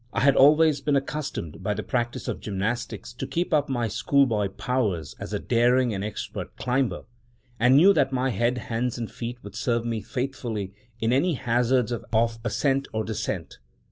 I had always been accustomed, by the practice of gymnastics, to keep up my school boy powers as a daring and expert climber; and knew that my head, hands, and feet would serve me faithfully in any hazards of ascent or descent.